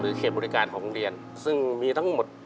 เขตบริการของโรงเรียนซึ่งมีทั้งหมด